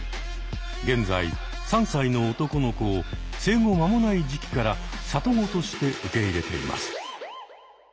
現在３歳の男の子を生後間もない時期から里子として受け入れています。